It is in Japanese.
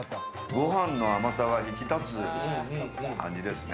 ご飯の甘さが引き立つ味ですね。